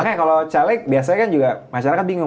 makanya kalau caleg biasanya kan juga masyarakat bingung